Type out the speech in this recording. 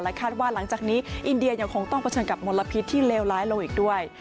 คาดว่าหลังจากนี้อินเดียยังคงต้องเผชิญกับมลพิษที่เลวร้ายลงอีกด้วย